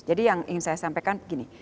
jadi yang ingin saya sampaikan begini